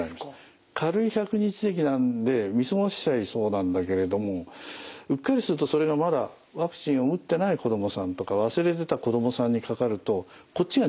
軽い百日ぜきなんで見過ごしちゃいそうなんだけれどもうっかりするとそれがまだワクチンを打ってない子どもさんとか忘れてた子どもさんにかかるとこっちが重症になる。